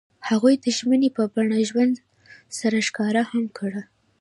هغوی د ژمنې په بڼه ژوند سره ښکاره هم کړه.